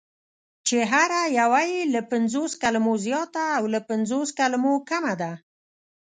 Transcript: چې هره یوه یې له پنځو کلمو زیاته او له پنځلسو کلمو کمه ده: